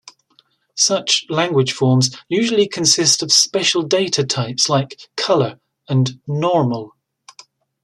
Such language forms usually consist of special data types, like "color" and "normal".